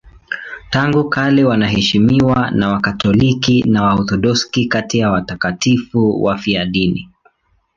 Tangu kale wanaheshimiwa na Wakatoliki na Waorthodoksi kati ya watakatifu wafiadini.